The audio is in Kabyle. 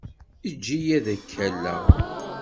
Eǧǧ-iyi ad k-alleɣ.